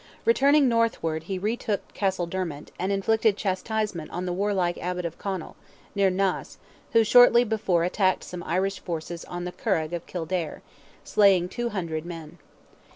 Returning northward he retook Castledermot, and inflicted chastisement on the warlike Abbot of Conal, near Naas, who shortly before attacked some Irish forces on the Curragh of Kildare, slaying two hundred men.